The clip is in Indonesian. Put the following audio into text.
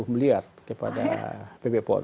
dua puluh miliar kepada pp pon